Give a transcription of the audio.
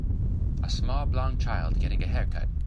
A small blond child getting a haircut.